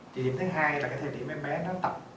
thì điểm thứ hai là cái thời điểm em bé nó tập